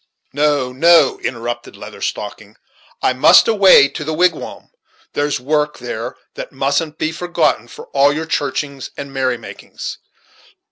"No, no," interrupted the Leather Stocking, "I must away to the wigwam; there's work there that mustn't be forgotten for all your churchings and merry makings.